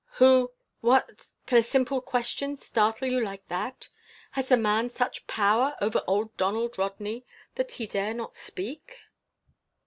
Who What ! Can a simple question startle you like that? Has the man such power over old Donald Rodney that he dare not speak?"